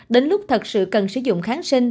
đến lúc thật sự cần sử dụng kháng sinh